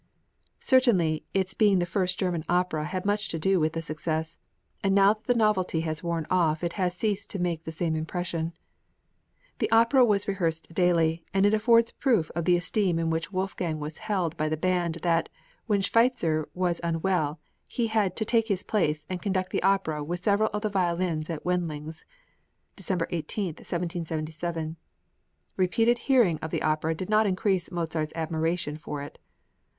Certainly its being the first German opera had much to do with the success; and now that the novelty has worn off it has ceased to make the same impression." The opera was rehearsed daily, and it affords proof of the esteem in which Wolfgang was held by the band that, when Schweitzer was unwell, he had "to take his place, and conduct the opera with several of the violins at Wendling's" (December 18, 1777). Repeated hearing of the opera did not increase Mozart's admiration for it.